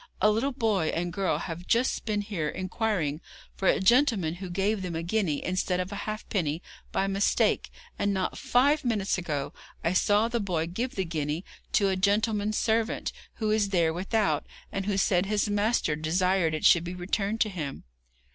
A little boy and girl have just been here inquiring for a gentleman who gave them a guinea instead of a halfpenny by mistake and not five minutes ago I saw the boy give the guinea to a gentleman's servant, who is there without, and who said his master desired it should be returned to him.'